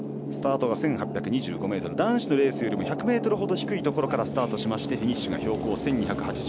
スタートが１８２５ｍ男子のレースより１００ｍほど低いところからスタートしましてフィニッシュが標高１２８５ｍ。